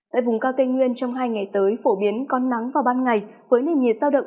tại vùng cao tây nguyên trong hai ngày tới phổ biến có nắng vào ban ngày với nền nhiệt sao động